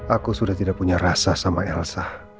aku sudah tidak punya rasa sama elsa